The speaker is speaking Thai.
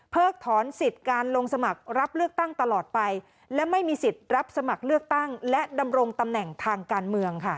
ถอนสิทธิ์การลงสมัครรับเลือกตั้งตลอดไปและไม่มีสิทธิ์รับสมัครเลือกตั้งและดำรงตำแหน่งทางการเมืองค่ะ